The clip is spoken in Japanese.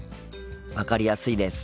分かりやすいです。